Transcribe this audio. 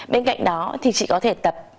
bên cạnh đó thì chị có thể tập